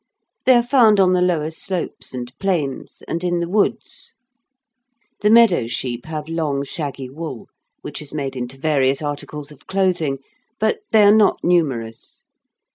They are found on the lower slopes and plains, and in the woods. The meadow sheep have long shaggy wool, which is made into various articles of clothing, but they are not numerous.